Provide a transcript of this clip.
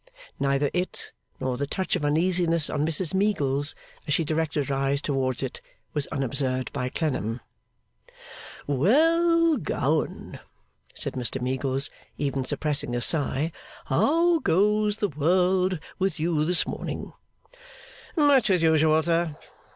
Neither it, nor the touch of uneasiness on Mrs Meagles as she directed her eyes towards it, was unobserved by Clennam. 'Well, Gowan,' said Mr Meagles, even suppressing a sigh; 'how goes the world with you this morning?' 'Much as usual, sir.